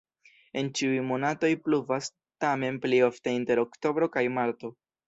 En ĉiuj monatoj pluvas, tamen pli ofte inter oktobro kaj marto.